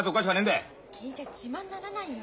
銀ちゃん自慢にならないよ。